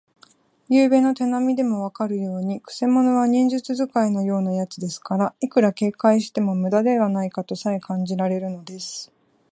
ゆうべの手なみでもわかるように、くせ者は忍術使いのようなやつですから、いくら警戒してもむだではないかとさえ感じられるのです。